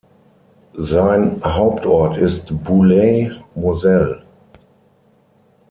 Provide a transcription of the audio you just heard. Sein Hauptort ist Boulay-Moselle.